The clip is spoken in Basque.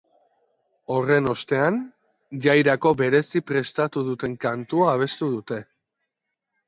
Horren ostean, jairako bereziki prestatu duten kantua abestu dute.